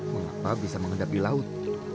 mengapa bisa mengendap di laut